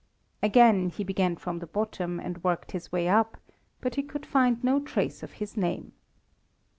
Again he began from the bottom and worked his way up, but he could find no trace of his name.